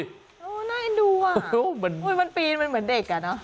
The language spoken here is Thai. โหน่าจะดูว่ะมันปีนเหมือนเด็กอ่ะเนาะ